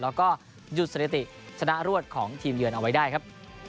แล้วก็หยุดสถิติชนะรวดของทีมเยือนเอาไว้ได้ครับ